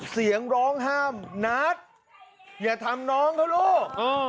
เสียงร้องห้ามนัทอย่าทำน้องเขาลูก